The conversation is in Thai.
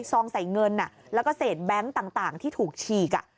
ซองใส่เงินแล้วก็เศษแบงค์ต่างที่ถูกฉีก